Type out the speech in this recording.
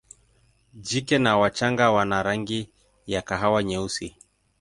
Jike na wachanga wana rangi ya kahawa nyeusi.